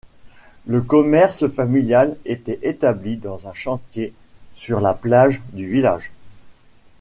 Le commerce familial était établi dans un chantier sur la plage du village.